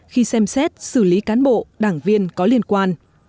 khi xem xét xử lý cán bộ đảng viên có liên quan